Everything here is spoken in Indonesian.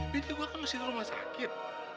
bintik gua kan masih rumah sakit